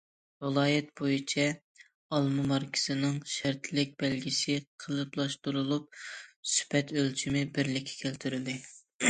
ۋىلايەت بويىچە ئالما ماركىسىنىڭ شەرتلىك بەلگىسى قېلىپلاشتۇرۇلۇپ، سۈپەت ئۆلچىمى بىرلىككە كەلتۈرۈلدى.